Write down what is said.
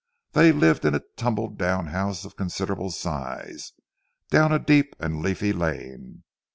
They lived in a tumbledown house of considerable size, down a deep and leafy lane.